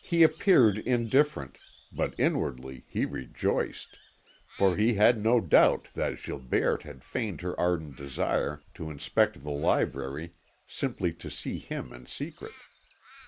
He appeared indifferent, but inwardly he rejoiced, for he had no doubt that Gilberte had feigned her ardent desire to inspect the library simply to see him in secret.